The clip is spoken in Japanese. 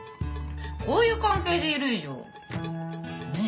こういう関係でいる以上ねえ？